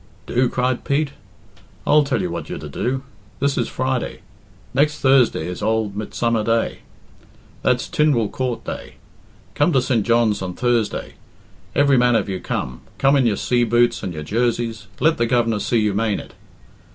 "Do?" cried Pete. "I'll tell you what you're to do. This is Friday. Next Thursday is old Midsummer Day. That's Tynwald Coort day. Come to St. John's on Thursday every man of you come come in your sea boots and your jerseys let the Governor see you mane it.